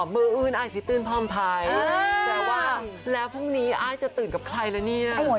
มืออื้นอายสิตื้นพร้อมภัยแปลว่าแล้วพรุ่งนี้อ้ายจะตื่นกับใครแล้วเนี่ย